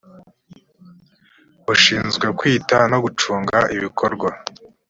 bushinzwe kwita no gucunga ibikorwa